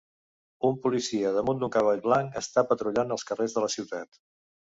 Un policia damunt d'un cavall blanc està patrullant els carrers de la ciutat.